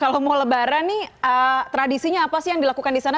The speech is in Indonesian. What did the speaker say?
kalau mau lebaran nih tradisinya apa sih yang dilakukan di sana